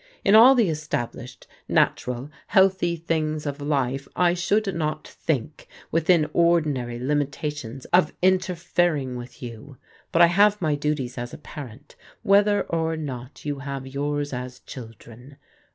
In all the estab lished, natural, healthy things of life, I should not think, within ordinary limitations, of interfering with you; but I have my duties as a parent, whether or not you have yours as children.